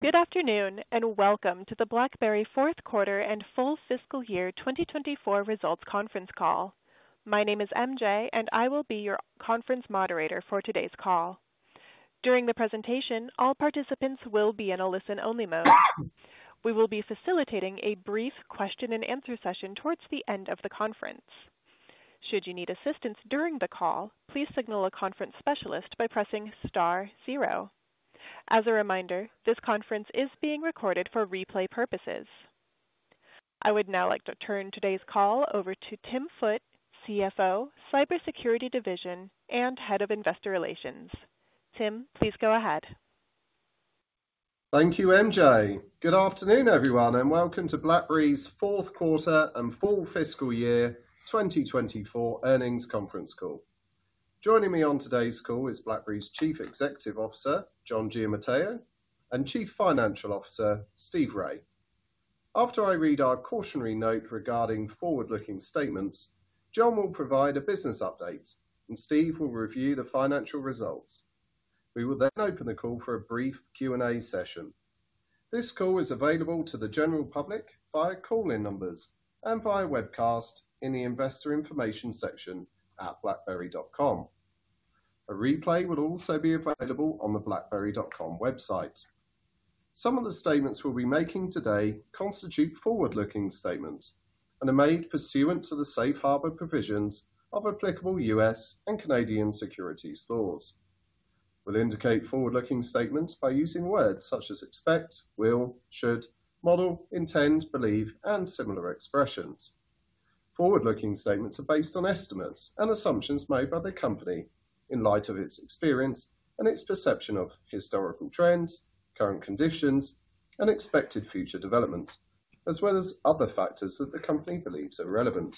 Good afternoon and welcome to the BlackBerry Fourth Quarter and Full Fiscal Year 2024 Results Conference Call. My name is MJ, and I will be your conference moderator for today's call. During the presentation, all participants will be in a listen-only mode. We will be facilitating a brief question-and-answer session towards the end of the conference. Should you need assistance during the call, please signal a conference specialist by pressing *0. As a reminder, this conference is being recorded for replay purposes. I would now like to turn today's call over to Tim Foote, CFO, Cybersecurity Division, and Head of Investor Relations. Tim, please go ahead. Thank you, MJ. Good afternoon, everyone, and welcome to BlackBerry's fourth quarter and full fiscal year 2024 earnings conference call. Joining me on today's call is BlackBerry's Chief Executive Officer, John Giamatteo, and Chief Financial Officer, Steve Rai. After I read our cautionary note regarding forward-looking statements, John will provide a business update, and Steve will review the financial results. We will then open the call for a brief Q&A session. This call is available to the general public via call-in numbers and via webcast in the Investor Information section at blackberry.com. A replay will also be available on the blackberry.com website. Some of the statements we'll be making today constitute forward-looking statements and are made pursuant to the safe harbor provisions of applicable U.S. and Canadian securities laws. We'll indicate forward-looking statements by using words such as expect, will, should, model, intend, believe, and similar expressions. Forward-looking statements are based on estimates and assumptions made by the company in light of its experience and its perception of historical trends, current conditions, and expected future developments, as well as other factors that the company believes are relevant.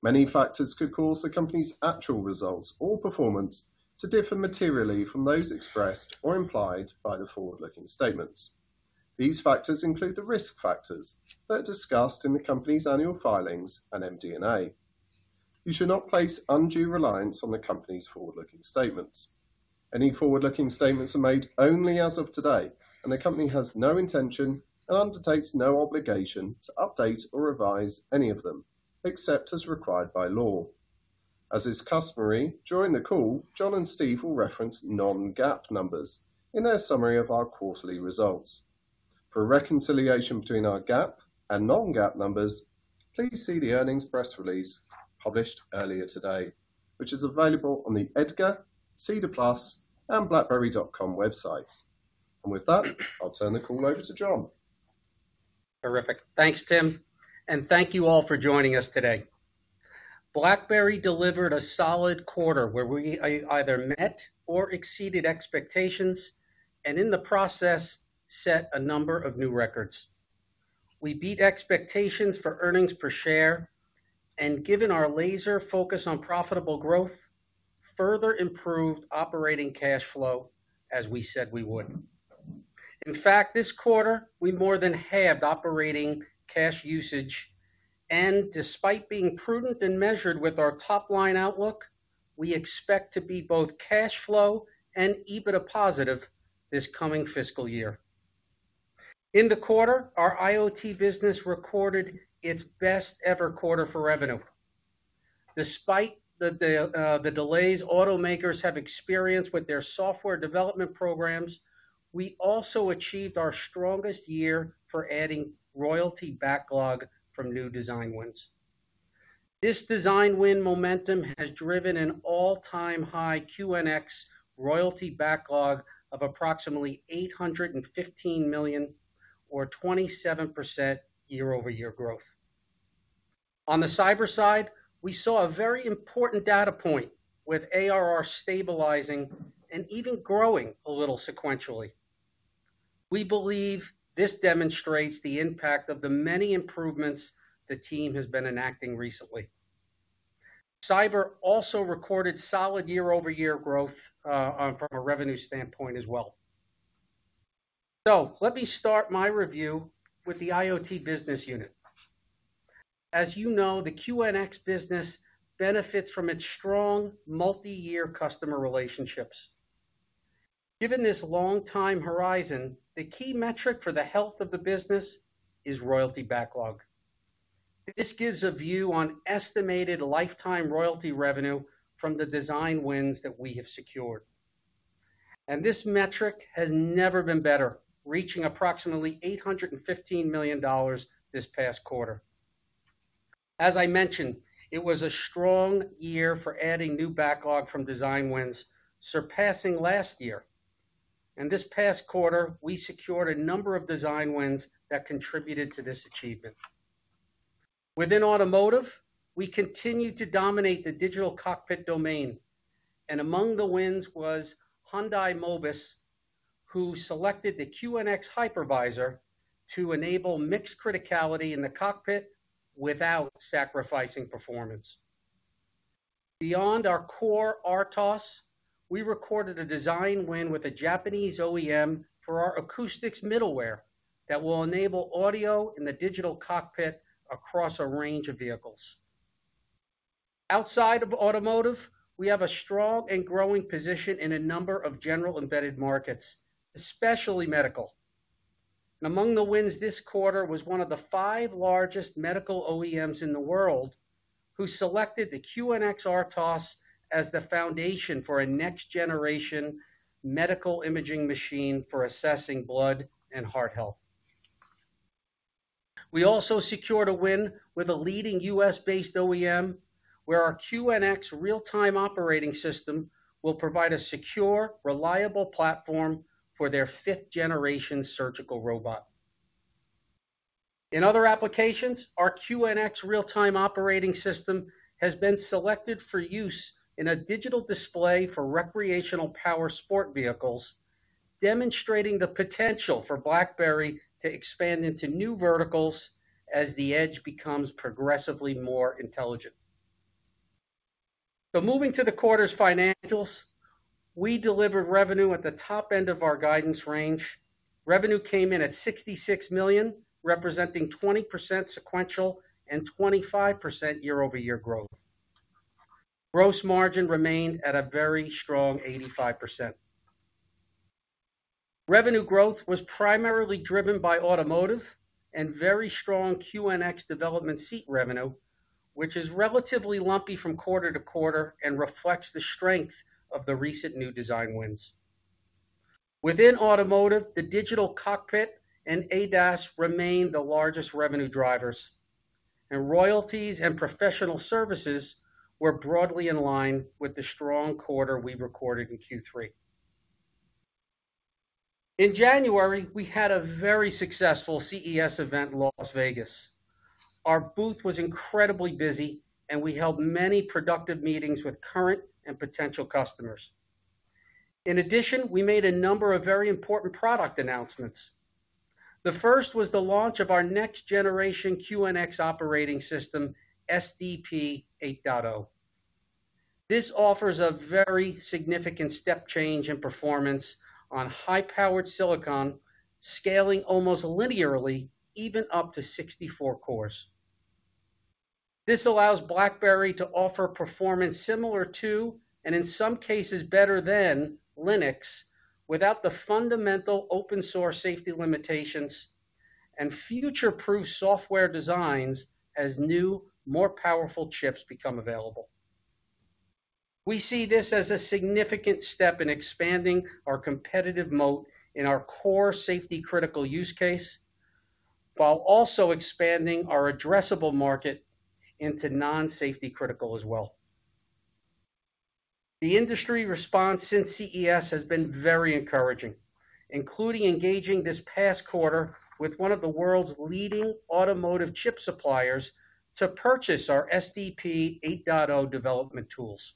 Many factors could cause the company's actual results or performance to differ materially from those expressed or implied by the forward-looking statements. These factors include the risk factors that are discussed in the company's annual filings and MD&A. You should not place undue reliance on the company's forward-looking statements. Any forward-looking statements are made only as of today, and the company has no intention and undertakes no obligation to update or revise any of them except as required by law. As is customary, during the call, John and Steve will reference non-GAAP numbers in their summary of our quarterly results. For reconciliation between our GAAP and non-GAAP numbers, please see the earnings press release published earlier today, which is available on the EDGAR, SEDAR+, and BlackBerry.com websites. With that, I'll turn the call over to John. Terrific. Thanks, Tim. And thank you all for joining us today. BlackBerry delivered a solid quarter where we either met or exceeded expectations and, in the process, set a number of new records. We beat expectations for earnings per share and, given our laser focus on profitable growth, further improved operating cash flow as we said we would. In fact, this quarter, we more than halved operating cash usage, and despite being prudent and measured with our top-line outlook, we expect to be both cash flow and EBITDA positive this coming fiscal year. In the quarter, our IoT business recorded its best-ever quarter for revenue. Despite the delays automakers have experienced with their software development programs, we also achieved our strongest year for adding royalty backlog from new design wins. This design win momentum has driven an all-time high QNX royalty backlog of approximately $815 million, or 27% year-over-year growth. On the cyber side, we saw a very important data point with ARR stabilizing and even growing a little sequentially. We believe this demonstrates the impact of the many improvements the team has been enacting recently. Cyber also recorded solid year-over-year growth from a revenue standpoint as well. So let me start my review with the IoT business unit. As you know, the QNX business benefits from its strong multi-year customer relationships. Given this long-time horizon, the key metric for the health of the business is royalty backlog. This gives a view on estimated lifetime royalty revenue from the design wins that we have secured. And this metric has never been better, reaching approximately $815 million this past quarter. As I mentioned, it was a strong year for adding new backlog from design wins, surpassing last year. This past quarter, we secured a number of design wins that contributed to this achievement. Within automotive, we continued to dominate the digital cockpit domain, and among the wins was Hyundai Mobis, who selected the QNX Hypervisor to enable mixed criticality in the cockpit without sacrificing performance. Beyond our core RTOS, we recorded a design win with a Japanese OEM for our acoustics middleware that will enable audio in the digital cockpit across a range of vehicles. Outside of automotive, we have a strong and growing position in a number of general embedded markets, especially medical. Among the wins this quarter was one of the five largest medical OEMs in the world who selected the QNX RTOS as the foundation for a next-generation medical imaging machine for assessing blood and heart health. We also secured a win with a leading U.S.-based OEM where our QNX real-time operating system will provide a secure, reliable platform for their fifth-generation surgical robot. In other applications, our QNX real-time operating system has been selected for use in a digital display for recreational power sport vehicles, demonstrating the potential for BlackBerry to expand into new verticals as the edge becomes progressively more intelligent. So moving to the quarter's financials, we delivered revenue at the top end of our guidance range. Revenue came in at $66 million, representing 20% sequential and 25% year-over-year growth. Gross margin remained at a very strong 85%. Revenue growth was primarily driven by automotive and very strong QNX development seat revenue, which is relatively lumpy from quarter-to-quarter and reflects the strength of the recent new design wins. Within automotive, the digital cockpit and ADAS remained the largest revenue drivers, and royalties and professional services were broadly in line with the strong quarter we recorded in Q3. In January, we had a very successful CES event in Las Vegas. Our booth was incredibly busy, and we held many productive meetings with current and potential customers. In addition, we made a number of very important product announcements. The first was the launch of our next-generation QNX operating system, SDP 8.0. This offers a very significant step change in performance on high-powered silicon, scaling almost linearly even up to 64 cores. This allows BlackBerry to offer performance similar to, and in some cases better than, Linux without the fundamental open-source safety limitations and future-proof software designs as new, more powerful chips become available. We see this as a significant step in expanding our competitive moat in our core safety-critical use case while also expanding our addressable market into non-safety-critical as well. The industry response since CES has been very encouraging, including engaging this past quarter with one of the world's leading automotive chip suppliers to purchase our SDP 8.0 development tools.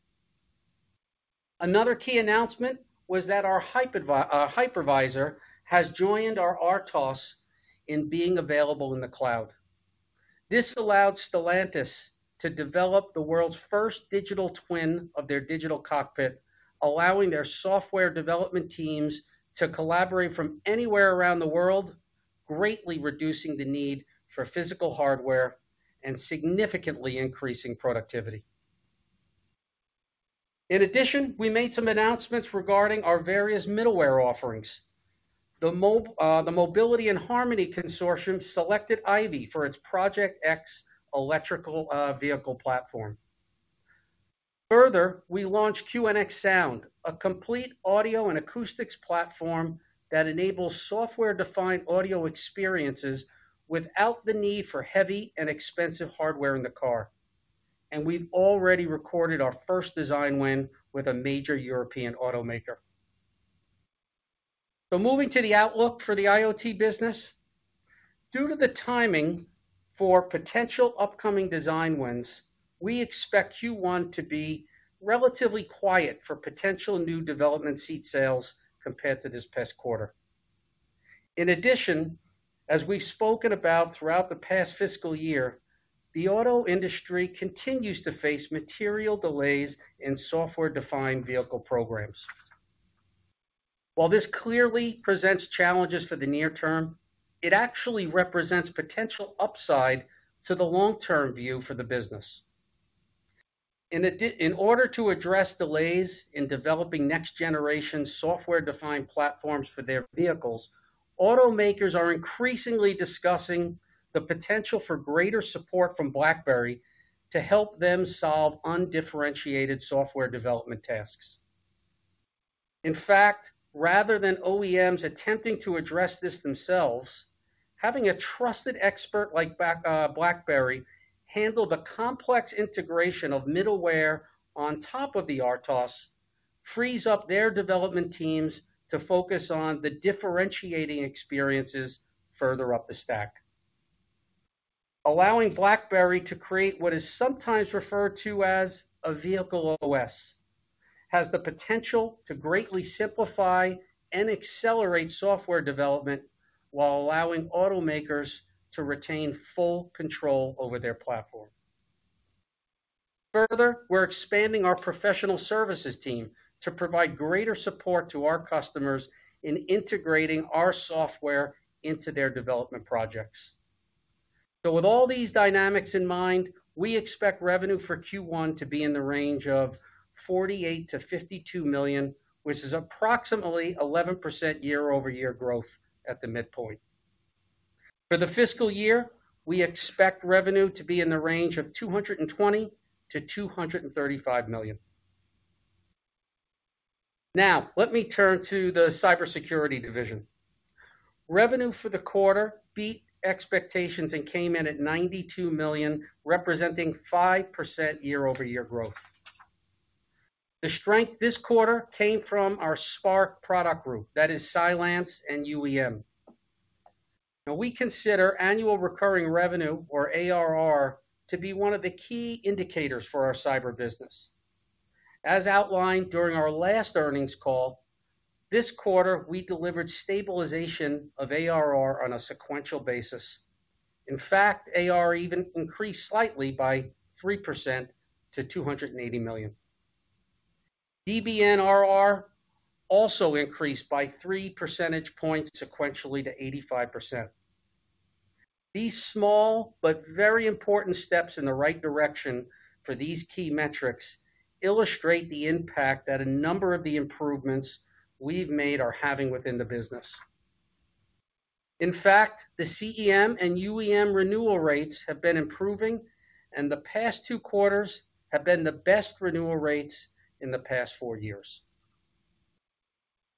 Another key announcement was that our hypervisor has joined our RTOS in being available in the cloud. This allowed Stellantis to develop the world's first digital twin of their digital cockpit, allowing their software development teams to collaborate from anywhere around the world, greatly reducing the need for physical hardware and significantly increasing productivity. In addition, we made some announcements regarding our various middleware offerings. The Mobility in Harmony Consortium selected IVY for its Project X electrical vehicle platform. Further, we launched QNX Sound, a complete audio and acoustics platform that enables software-defined audio experiences without the need for heavy and expensive hardware in the car. We've already recorded our first design win with a major European automaker. Moving to the outlook for the IoT business. Due to the timing for potential upcoming design wins, we expect Q1 to be relatively quiet for potential new development seat sales compared to this past quarter. In addition, as we've spoken about throughout the past fiscal year, the auto industry continues to face material delays in software-defined vehicle programs. While this clearly presents challenges for the near term, it actually represents potential upside to the long-term view for the business. In order to address delays in developing next-generation software-defined platforms for their vehicles, automakers are increasingly discussing the potential for greater support from BlackBerry to help them solve undifferentiated software development tasks. In fact, rather than OEMs attempting to address this themselves, having a trusted expert like BlackBerry handle the complex integration of middleware on top of the RTOS frees up their development teams to focus on the differentiating experiences further up the stack. Allowing BlackBerry to create what is sometimes referred to as a vehicle OS has the potential to greatly simplify and accelerate software development while allowing automakers to retain full control over their platform. Further, we're expanding our professional services team to provide greater support to our customers in integrating our software into their development projects. So with all these dynamics in mind, we expect revenue for Q1 to be in the range of $48 million-$52 million, which is approximately 11% year-over-year growth at the midpoint. For the fiscal year, we expect revenue to be in the range of $220 million-$235 million. Now, let me turn to the cybersecurity division. Revenue for the quarter beat expectations and came in at $92 million, representing 5% year-over-year growth. The strength this quarter came from our Spark product group, that is, Cylance and UEM. Now, we consider annual recurring revenue, or ARR, to be one of the key indicators for our cyber business. As outlined during our last earnings call, this quarter, we delivered stabilization of ARR on a sequential basis. In fact, ARR even increased slightly by 3% to $280 million. DBNRR also increased by 3 percentage points sequentially to 85%. These small but very important steps in the right direction for these key metrics illustrate the impact that a number of the improvements we've made are having within the business. In fact, the CEM and UEM renewal rates have been improving, and the past 2 quarters have been the best renewal rates in the past 4 years.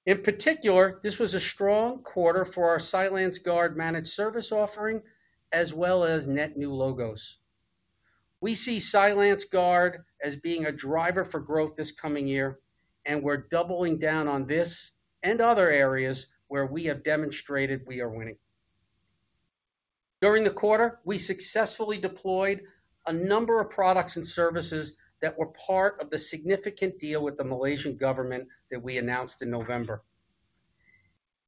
In particular, this was a strong quarter for our CylanceGUARD managed service offering as well as net new logos. We see CylanceGUARD as being a driver for growth this coming year, and we're doubling down on this and other areas where we have demonstrated we are winning. During the quarter, we successfully deployed a number of products and services that were part of the significant deal with the Malaysian government that we announced in November.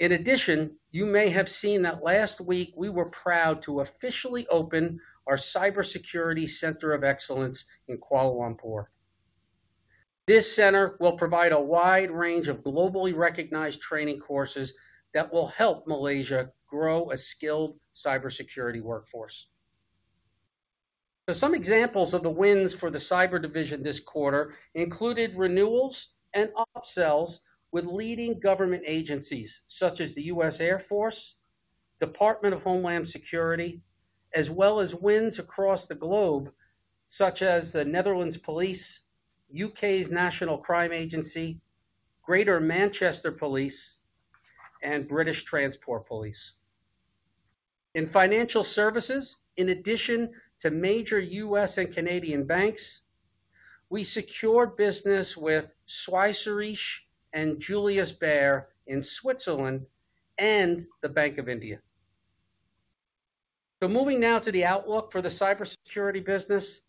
In addition, you may have seen that last week, we were proud to officially open our Cybersecurity Center of Excellence in Kuala Lumpur. This center will provide a wide range of globally recognized training courses that will help Malaysia grow a skilled cybersecurity workforce. Some examples of the wins for the cyber division this quarter included renewals and upsells with leading government agencies such as the U.S. Air Force, Department of Homeland Security, as well as wins across the globe such as the Netherlands Police, U.K.'s National Crime Agency, Greater Manchester Police, and British Transport Police. In financial services, in addition to major U.S. and Canadian banks, we secured business with Swissquote and Julius Baer in Switzerland and the Bank of India. Moving now to the outlook for the cybersecurity business.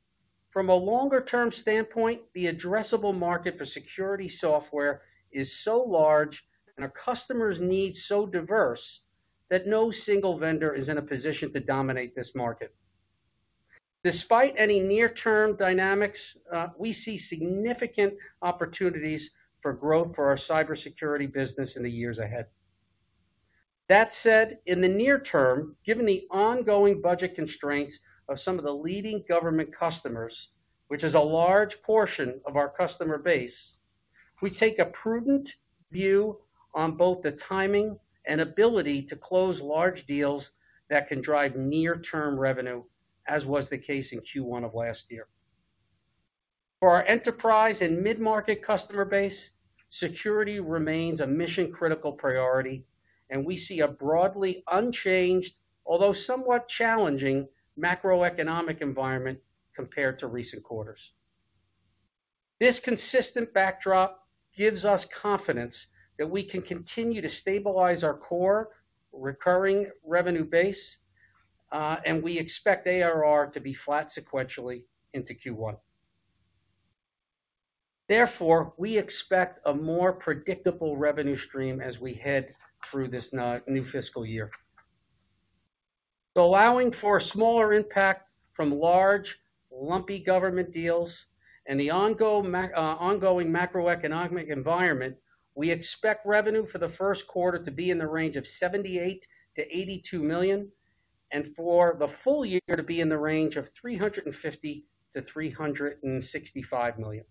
From a longer-term standpoint, the addressable market for security software is so large and our customers' needs so diverse that no single vendor is in a position to dominate this market. Despite any near-term dynamics, we see significant opportunities for growth for our cybersecurity business in the years ahead. That said, in the near term, given the ongoing budget constraints of some of the leading government customers, which is a large portion of our customer base, we take a prudent view on both the timing and ability to close large deals that can drive near-term revenue, as was the case in Q1 of last year. For our enterprise and mid-market customer base, security remains a mission-critical priority, and we see a broadly unchanged, although somewhat challenging, macroeconomic environment compared to recent quarters. This consistent backdrop gives us confidence that we can continue to stabilize our core recurring revenue base, and we expect ARR to be flat sequentially into Q1. Therefore, we expect a more predictable revenue stream as we head through this new fiscal year. Allowing for a smaller impact from large, lumpy government deals and the ongoing macroeconomic environment, we expect revenue for the first quarter to be in the range of $78 million-$82 million and for the full year to be in the range of $350 million-$365 million.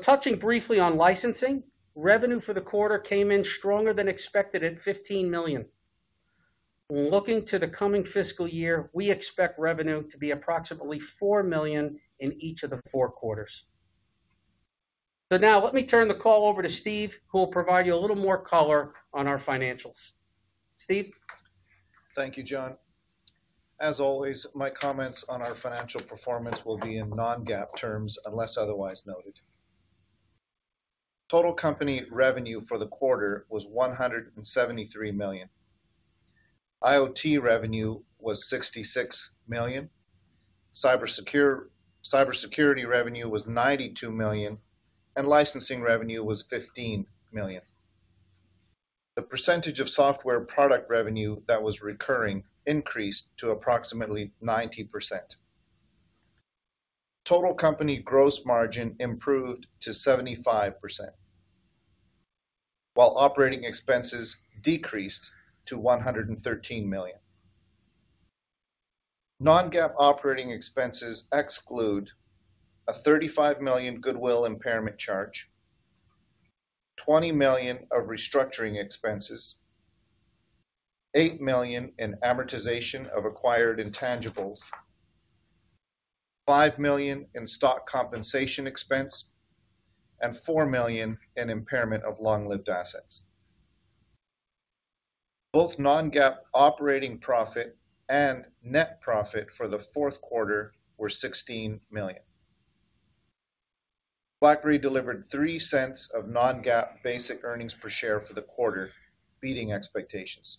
Touching briefly on licensing, revenue for the quarter came in stronger than expected at $15 million. Looking to the coming fiscal year, we expect revenue to be approximately $4 million in each of the four quarters. Now, let me turn the call over to Steve, who will provide you a little more color on our financials. Steve? Thank you, John. As always, my comments on our financial performance will be in non-GAAP terms unless otherwise noted. Total company revenue for the quarter was $173 million. IoT revenue was $66 million. Cybersecurity revenue was $92 million, and licensing revenue was $15 million. The percentage of software product revenue that was recurring increased to approximately 90%. Total company gross margin improved to 75%, while operating expenses decreased to $113 million. Non-GAAP operating expenses exclude a $35 million goodwill impairment charge, $20 million of restructuring expenses, $8 million in amortization of acquired intangibles, $5 million in stock compensation expense, and $4 million in impairment of long-lived assets. Both non-GAAP operating profit and net profit for the fourth quarter were $16 million. BlackBerry delivered $0.03 of non-GAAP basic earnings per share for the quarter, beating expectations.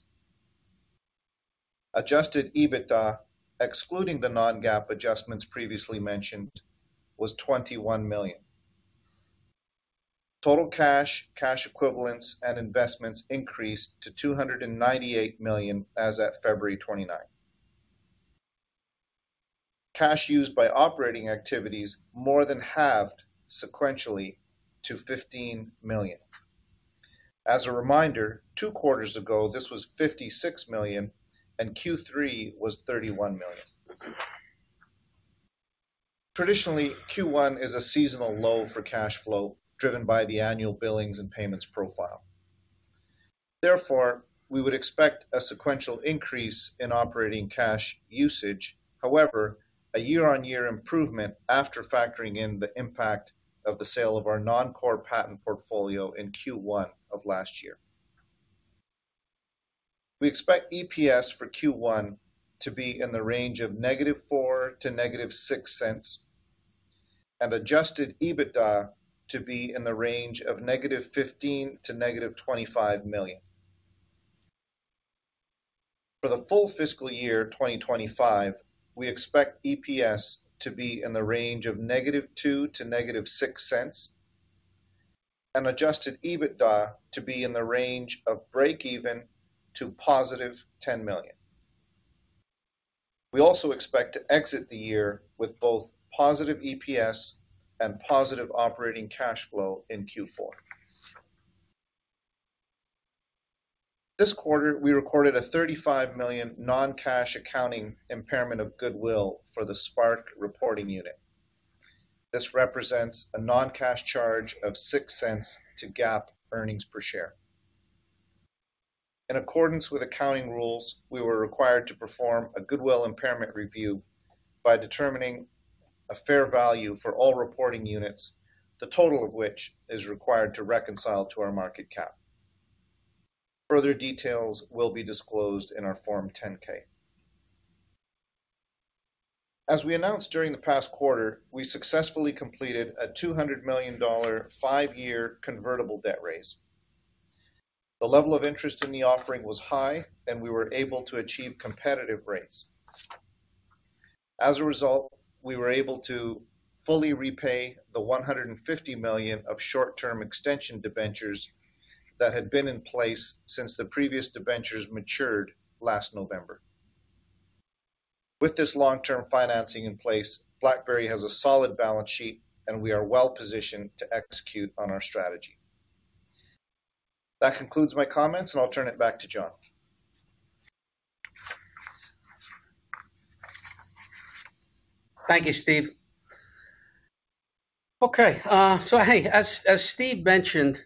Adjusted EBITDA, excluding the non-GAAP adjustments previously mentioned, was $21 million. Total cash, cash equivalents, and investments increased to $298 million as of February 29. Cash used by operating activities more than halved sequentially to $15 million. As a reminder, two quarters ago, this was $56 million, and Q3 was $31 million. Traditionally, Q1 is a seasonal low for cash flow driven by the annual billings and payments profile. Therefore, we would expect a sequential increase in operating cash usage, however, a year-on-year improvement after factoring in the impact of the sale of our non-core patent portfolio in Q1 of last year. We expect EPS for Q1 to be in the range of -$0.04 to -$0.06 and adjusted EBITDA to be in the range of -$15 million to -$25 million. For the full fiscal year 2025, we expect EPS to be in the range of -$0.02 to -$0.06 and adjusted EBITDA to be in the range of break-even to $10 million. We also expect to exit the year with both positive EPS and positive operating cash flow in Q4. This quarter, we recorded a $35 million non-cash accounting impairment of goodwill for the Spark reporting unit. This represents a non-cash charge of $0.06 to GAAP earnings per share. In accordance with accounting rules, we were required to perform a goodwill impairment review by determining a fair value for all reporting units, the total of which is required to reconcile to our market cap. Further details will be disclosed in our Form 10-K. As we announced during the past quarter, we successfully completed a $200 million five-year convertible debt raise. The level of interest in the offering was high, and we were able to achieve competitive rates. As a result, we were able to fully repay the $150 million of short-term extension debentures that had been in place since the previous debentures matured last November. With this long-term financing in place, BlackBerry has a solid balance sheet, and we are well positioned to execute on our strategy. That concludes my comments, and I'll turn it back to John. Thank you, Steve. Okay. So hey, as Steve mentioned,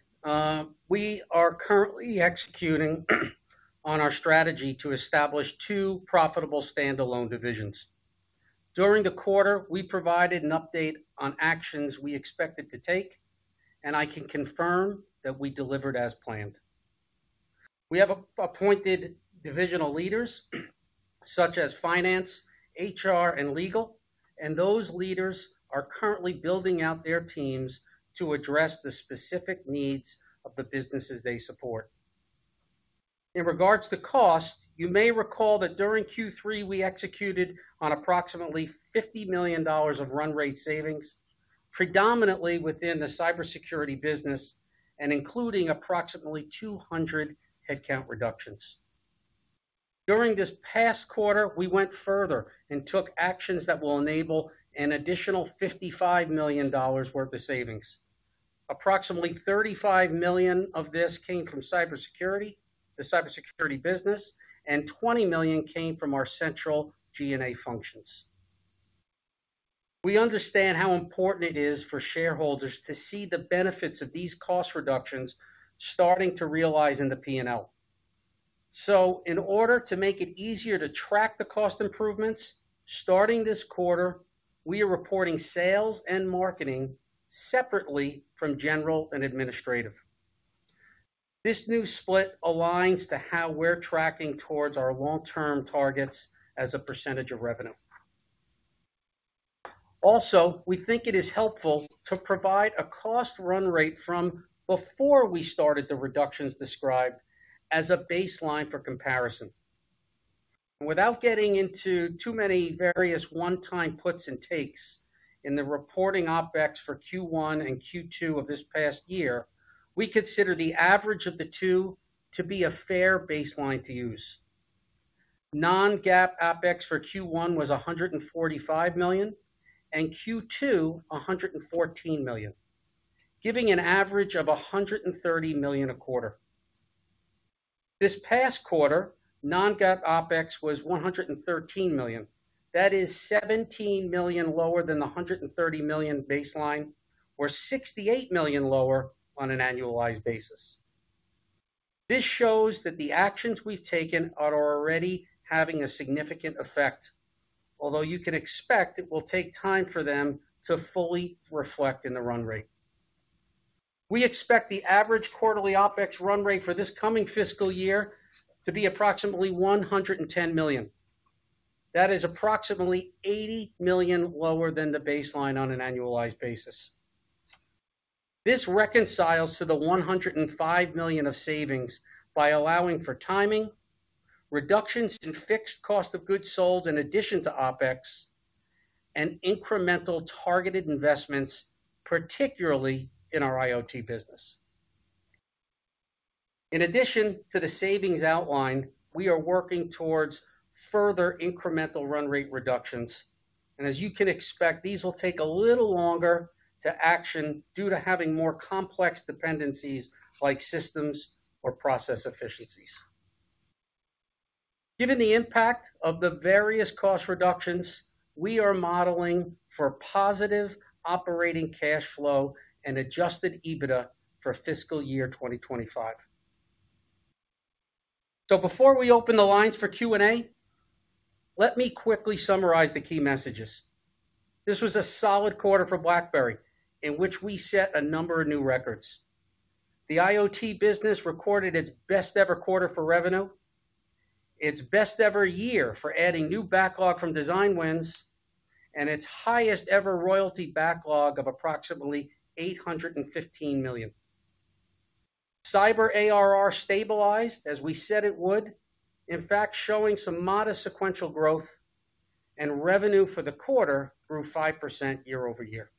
we are currently executing on our strategy to establish two profitable standalone divisions. During the quarter, we provided an update on actions we expected to take, and I can confirm that we delivered as planned. We have appointed divisional leaders such as finance, HR, and legal, and those leaders are currently building out their teams to address the specific needs of the businesses they support. In regards to cost, you may recall that during Q3, we executed on approximately $50 million of run rate savings, predominantly within the cybersecurity business and including approximately 200 headcount reductions. During this past quarter, we went further and took actions that will enable an additional $55 million worth of savings. Approximately $35 million of this came from cybersecurity, the cybersecurity business, and $20 million came from our central G&A functions. We understand how important it is for shareholders to see the benefits of these cost reductions starting to realize in the P&L. So in order to make it easier to track the cost improvements, starting this quarter, we are reporting sales and marketing separately from general and administrative. This new split aligns to how we're tracking towards our long-term targets as a percentage of revenue. Also, we think it is helpful to provide a cost run rate from before we started the reductions described as a baseline for comparison. And without getting into too many various one-time puts and takes in the reporting OPEX for Q1 and Q2 of this past year, we consider the average of the two to be a fair baseline to use. Non-GAAP OPEX for Q1 was $145 million and Q2 $114 million, giving an average of $130 million a quarter. This past quarter, non-GAAP OpEx was $113 million. That is $17 million lower than the $130 million baseline or $68 million lower on an annualized basis. This shows that the actions we've taken are already having a significant effect, although you can expect it will take time for them to fully reflect in the run rate. We expect the average quarterly OpEx run rate for this coming fiscal year to be approximately $110 million. That is approximately $80 million lower than the baseline on an annualized basis. This reconciles to the $105 million of savings by allowing for timing, reductions in fixed cost of goods sold in addition to OpEx, and incremental targeted investments, particularly in our IoT business. In addition to the savings outline, we are working towards further incremental run rate reductions. As you can expect, these will take a little longer to action due to having more complex dependencies like systems or process efficiencies. Given the impact of the various cost reductions, we are modeling for positive operating cash flow and adjusted EBITDA for fiscal year 2025. Before we open the lines for Q&A, let me quickly summarize the key messages. This was a solid quarter for BlackBerry in which we set a number of new records. The IoT business recorded its best-ever quarter for revenue, its best-ever year for adding new backlog from design wins, and its highest-ever royalty backlog of approximately $815 million. Cyber ARR stabilized as we said it would, in fact, showing some modest sequential growth and revenue for the quarter grew 5% year-over-year.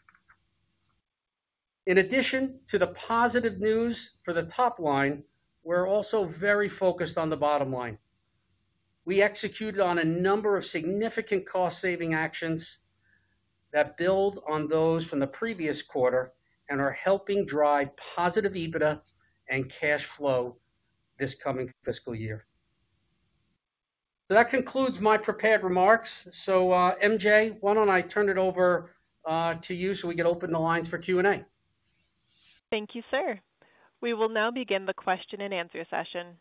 In addition to the positive news for the top line, we're also very focused on the bottom line. We executed on a number of significant cost-saving actions that build on those from the previous quarter and are helping drive positive EBITDA and cash flow this coming fiscal year. So that concludes my prepared remarks. So MJ, why don't I turn it over to you so we can open the lines for Q&A? Thank you, sir. We will now begin the question-and-answer session.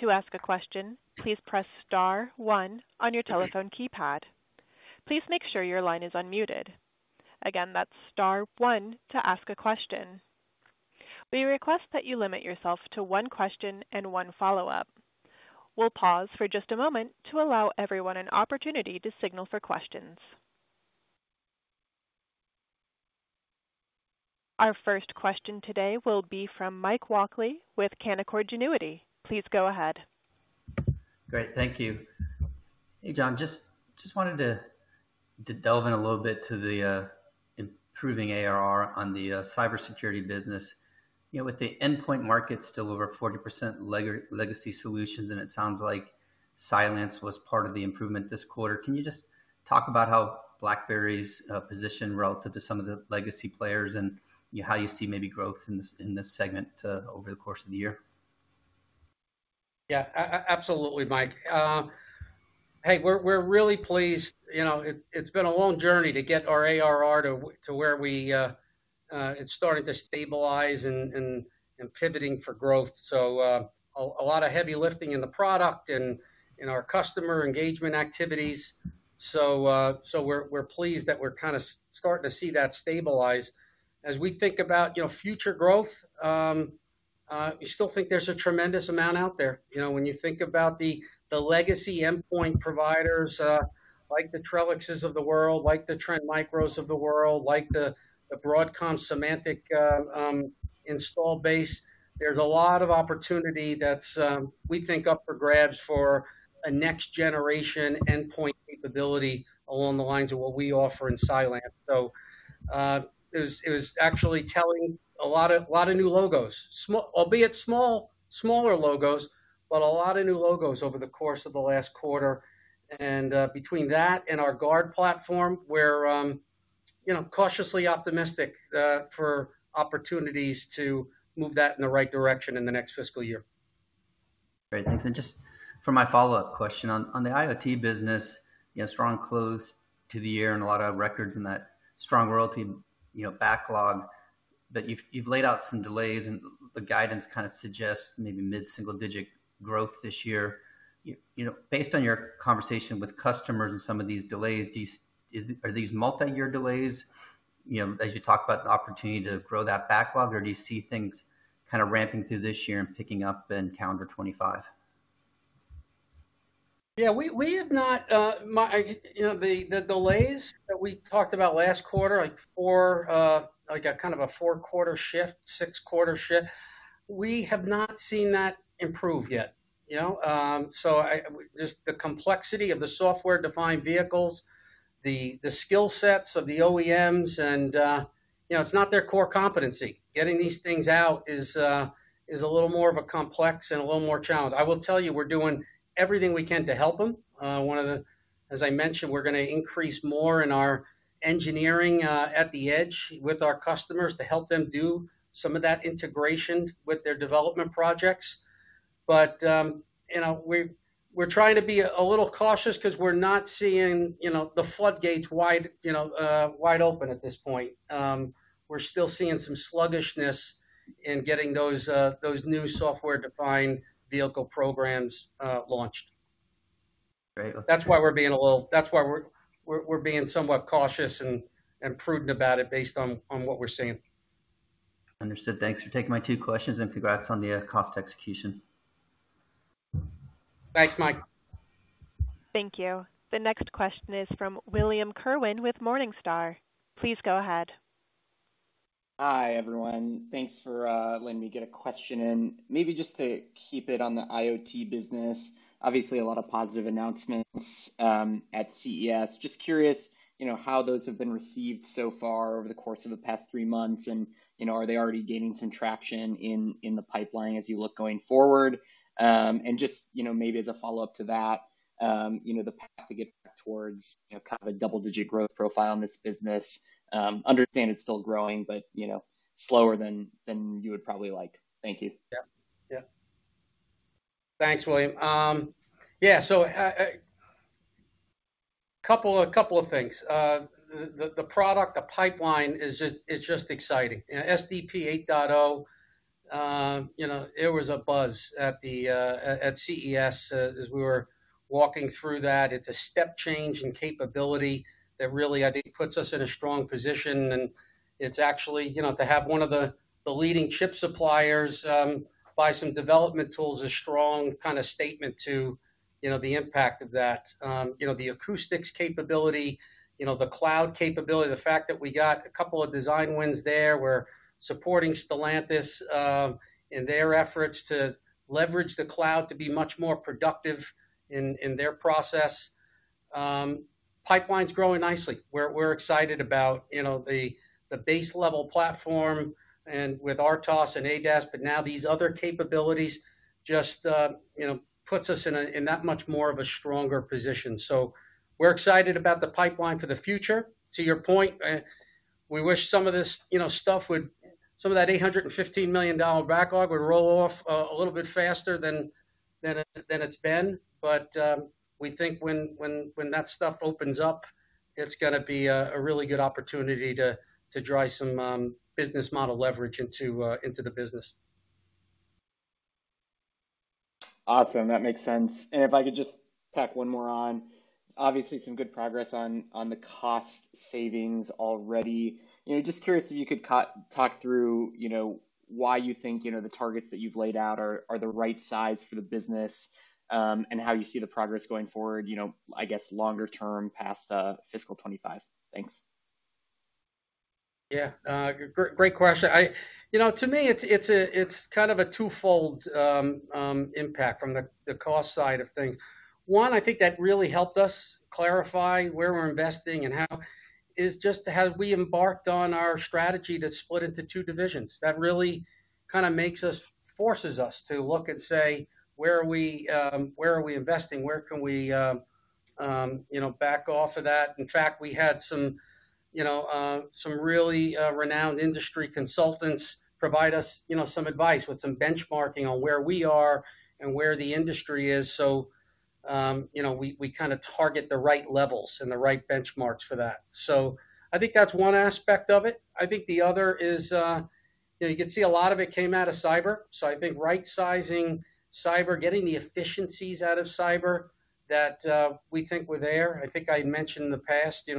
To ask a question, please press star one on your telephone keypad. Please make sure your line is unmuted. Again, that's star one to ask a question. We request that you limit yourself to one question and one follow-up. We'll pause for just a moment to allow everyone an opportunity to signal for questions. Our first question today will be from Mike Walkley with Canaccord Genuity. Please go ahead. Great. Thank you. Hey, John. Just wanted to delve in a little bit to the improving ARR on the cybersecurity business. With the endpoint market still over 40% legacy solutions, and it sounds like Cylance was part of the improvement this quarter. Can you just talk about how BlackBerry's position relative to some of the legacy players and how you see maybe growth in this segment over the course of the year? Yeah. Absolutely, Mike. Hey, we're really pleased. It's been a long journey to get our ARR to where it's starting to stabilize and pivoting for growth. So a lot of heavy lifting in the product and in our customer engagement activities. So we're pleased that we're kind of starting to see that stabilize. As we think about future growth, we still think there's a tremendous amount out there. When you think about the legacy endpoint providers like the Trellixes of the world, like the Trend Micros of the world, like the Broadcom Symantec install base, there's a lot of opportunity that we think up for grabs for a next-generation endpoint capability along the lines of what we offer in Cylance. So we were actually landing a lot of new logos, albeit smaller logos, but a lot of new logos over the course of the last quarter. Between that and our Guard platform, we're cautiously optimistic for opportunities to move that in the right direction in the next fiscal year. Great. Thanks. Just for my follow-up question, on the IoT business, strong close to the year and a lot of records in that strong royalty backlog, but you've laid out some delays, and the guidance kind of suggests maybe mid-single-digit growth this year. Based on your conversation with customers and some of these delays, are these multi-year delays? As you talk about the opportunity to grow that backlog, or do you see things kind of ramping through this year and picking up in calendar 2025? Yeah. We have not the delays that we talked about last quarter, like kind of a 4-quarter shift, 6-quarter shift, we have not seen that improve yet. So just the complexity of the software-defined vehicles, the skill sets of the OEMs, and it's not their core competency. Getting these things out is a little more of a complex and a little more challenge. I will tell you, we're doing everything we can to help them. As I mentioned, we're going to increase more in our engineering at the edge with our customers to help them do some of that integration with their development projects. But we're trying to be a little cautious because we're not seeing the floodgates wide open at this point. We're still seeing some sluggishness in getting those new software-defined vehicle programs launched. That's why we're being somewhat cautious and prudent about it based on what we're seeing. Understood. Thanks for taking my two questions, and congrats on the cost execution. Thanks, Mike. Thank you. The next question is from William Kerwin with Morningstar. Please go ahead. Hi, everyone. Thanks for letting me get a question in. Maybe just to keep it on the IoT business, obviously, a lot of positive announcements at CES. Just curious how those have been received so far over the course of the past three months, and are they already gaining some traction in the pipeline as you look going forward? And just maybe as a follow-up to that, the path to get back towards kind of a double-digit growth profile in this business. Understand it's still growing, but slower than you would probably like. Thank you. Yeah. Yeah. Thanks, William. Yeah. So a couple of things. The product, the pipeline, is just exciting. SDP 8.0, it was a buzz at CES as we were walking through that. It's a step change in capability that really, I think, puts us in a strong position. And it's actually to have one of the leading chip suppliers buy some development tools is a strong kind of statement to the impact of that. The acoustics capability, the cloud capability, the fact that we got a couple of Design Wins there. We're supporting Stellantis in their efforts to leverage the cloud to be much more productive in their process. Pipeline's growing nicely. We're excited about the base-level platform with RTOS and ADAS, but now these other capabilities just puts us in that much more of a stronger position. So we're excited about the pipeline for the future. To your point, we wish some of that $815 million backlog would roll off a little bit faster than it's been. But we think when that stuff opens up, it's going to be a really good opportunity to drive some business model leverage into the business. Awesome. That makes sense. And if I could just pack one more on, obviously, some good progress on the cost savings already. Just curious if you could talk through why you think the targets that you've laid out are the right size for the business and how you see the progress going forward, I guess, longer-term past fiscal 2025. Thanks. Yeah. Great question. To me, it's kind of a twofold impact from the cost side of things. One, I think that really helped us clarify where we're investing and how is just how we embarked on our strategy to split into two divisions. That really kind of makes us forces us to look and say, "Where are we investing? Where can we back off of that?" In fact, we had some really renowned industry consultants provide us some advice with some benchmarking on where we are and where the industry is. So we kind of target the right levels and the right benchmarks for that. So I think that's one aspect of it. I think the other is you could see a lot of it came out of cyber. So I think right-sizing cyber, getting the efficiencies out of cyber that we think were there. I think I mentioned in the past,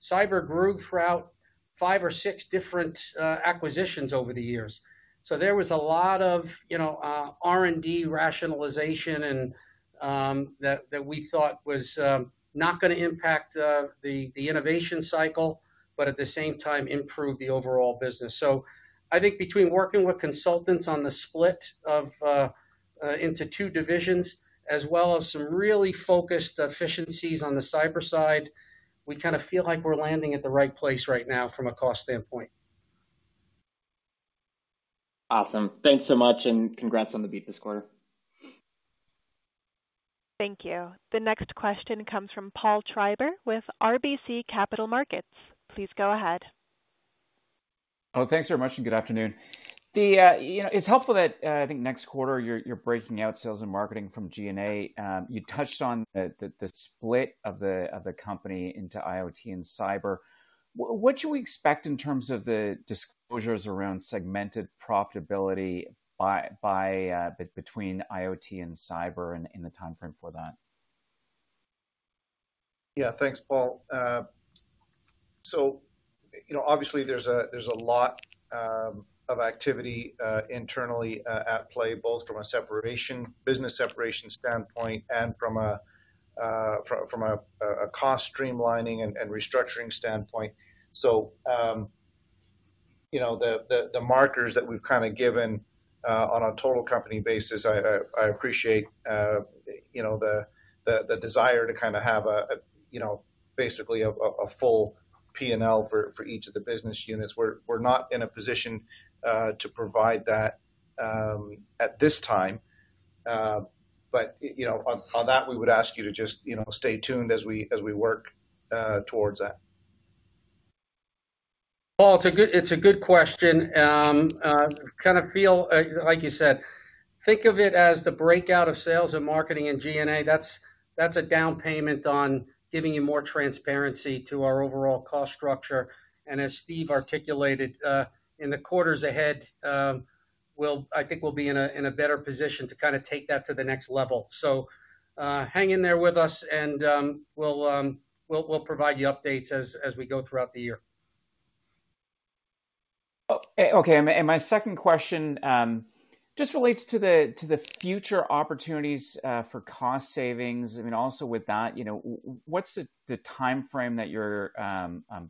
cyber grew throughout five or six different acquisitions over the years. So there was a lot of R&D rationalization that we thought was not going to impact the innovation cycle, but at the same time, improve the overall business. So I think between working with consultants on the split into two divisions, as well as some really focused efficiencies on the cyber side, we kind of feel like we're landing at the right place right now from a cost standpoint. Awesome. Thanks so much, and congrats on the beat this quarter. Thank you. The next question comes from Paul Treiber with RBC Capital Markets. Please go ahead. Oh, thanks very much, and good afternoon. It's helpful that I think next quarter, you're breaking out sales and marketing from G&A. You touched on the split of the company into IoT and cyber. What should we expect in terms of the disclosures around segmented profitability between IoT and cyber and the timeframe for that? Yeah. Thanks, Paul. So obviously, there's a lot of activity internally at play, both from a business separation standpoint and from a cost streamlining and restructuring standpoint. So the markers that we've kind of given on a total company basis, I appreciate the desire to kind of have basically a full P&L for each of the business units. We're not in a position to provide that at this time. But on that, we would ask you to just stay tuned as we work towards that. Paul, it's a good question. I kind of feel like you said, think of it as the breakout of sales and marketing in G&A. That's a down payment on giving you more transparency to our overall cost structure. And as Steve articulated, in the quarters ahead, I think we'll be in a better position to kind of take that to the next level. So hang in there with us, and we'll provide you updates as we go throughout the year. Okay. And my second question just relates to the future opportunities for cost savings. I mean, also with that, what's the timeframe that you're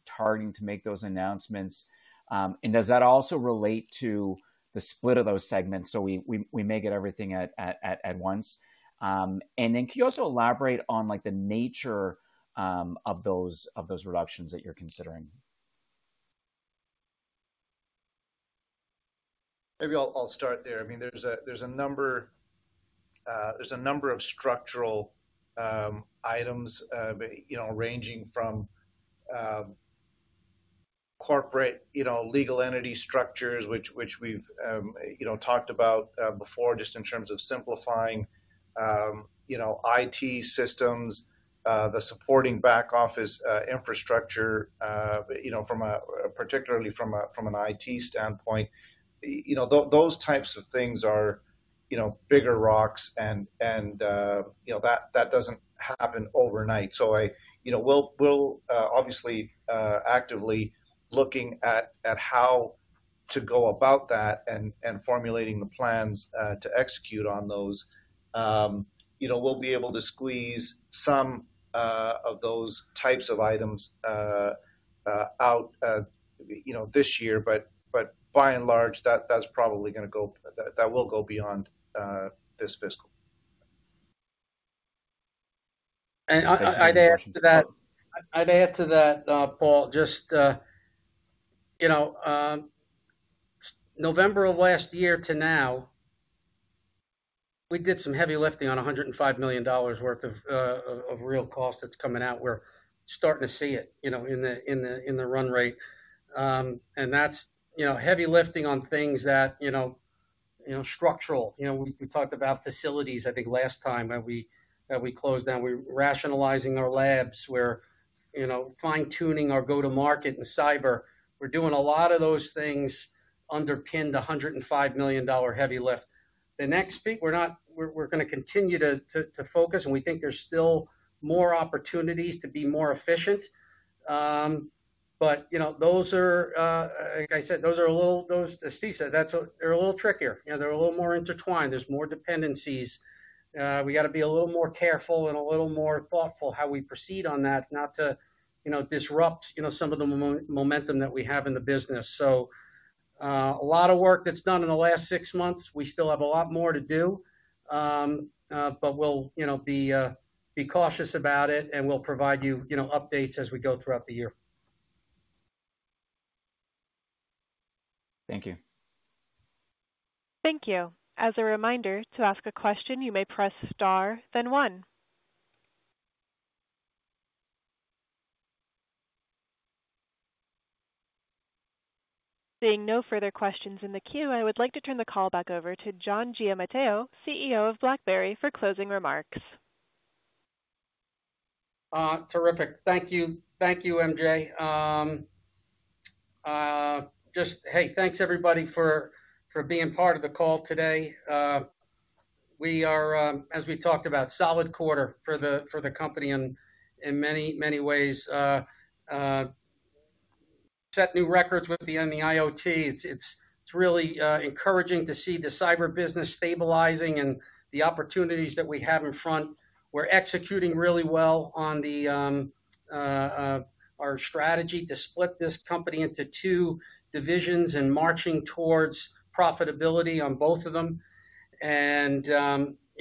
targeting to make those announcements? And does that also relate to the split of those segments so we may get everything at once? And then can you also elaborate on the nature of those reductions that you're considering? Maybe I'll start there. I mean, there's a number of structural items ranging from corporate legal entity structures, which we've talked about before, just in terms of simplifying IT systems, the supporting back-office infrastructure, particularly from an IT standpoint. Those types of things are bigger rocks, and that doesn't happen overnight. So we'll obviously actively look at how to go about that and formulating the plans to execute on those. We'll be able to squeeze some of those types of items out this year. But by and large, that's probably going to go, that will go beyond this fiscal. I'd add to that, Paul, just November of last year to now, we did some heavy lifting on $105 million worth of real cost that's coming out. We're starting to see it in the run rate. And that's heavy lifting on things that structural. We talked about facilities, I think, last time that we closed down. We're rationalizing our labs. We're fine-tuning our go-to-market in cyber. We're doing a lot of those things underpinned $105 million heavy lift. The next beat, we're going to continue to focus, and we think there's still more opportunities to be more efficient. But those are, like I said, those are a little as Steve said, they're a little trickier. They're a little more intertwined. There's more dependencies. We got to be a little more careful and a little more thoughtful how we proceed on that, not to disrupt some of the momentum that we have in the business. So a lot of work that's done in the last six months. We still have a lot more to do, but we'll be cautious about it, and we'll provide you updates as we go throughout the year. Thank you. Thank you. As a reminder, to ask a question, you may press star, then one. Seeing no further questions in the queue, I would like to turn the call back over to John Giamatteo, CEO of BlackBerry, for closing remarks. Terrific. Thank you. Thank you, MJ. Just, hey, thanks, everybody, for being part of the call today. We are, as we talked about, a solid quarter for the company in many, many ways. Set new records with the IoT. It's really encouraging to see the cyber business stabilizing and the opportunities that we have in front. We're executing really well on our strategy to split this company into two divisions and marching towards profitability on both of them. And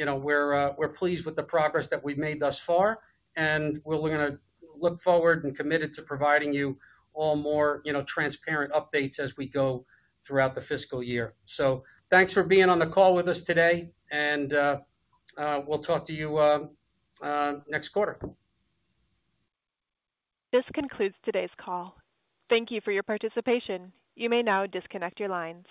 we're pleased with the progress that we've made thus far. And we're going to look forward and committed to providing you all more transparent updates as we go throughout the fiscal year. So thanks for being on the call with us today, and we'll talk to you next quarter. This concludes today's call. Thank you for your participation. You may now disconnect your lines.